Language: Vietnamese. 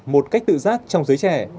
một cách tự giác trong giới trẻ